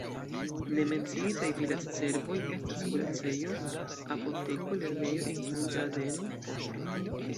Ne menciitaj vilaĝservoj estas kuracejo, apoteko, lernejo, infanĝardeno, poŝto.